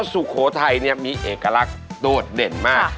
สุโขทัยเนี่ยมีเอกลักษณ์โดดเด่นมาก